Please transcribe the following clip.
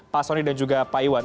pak soni dan juga pak iwan